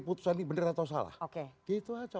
putusan ini benar atau salah gitu aja